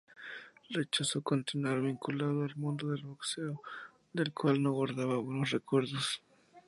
Rechazó continuar vinculado al mundo del boxeo, del cual no guardaba buenos recuerdos.